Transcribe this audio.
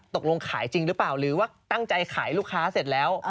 ตกลงขายจริงหรือเปล่าหรือว่าตั้งใจขายลูกค้าเสร็จแล้ว